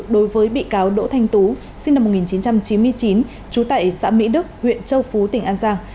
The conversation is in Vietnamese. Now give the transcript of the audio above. đối với bị cáo đỗ thanh tú sinh năm một nghìn chín trăm chín mươi chín trú tại xã mỹ đức huyện châu phú tỉnh an giang